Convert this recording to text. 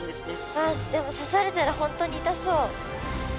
あっでも刺されたら本当に痛そう。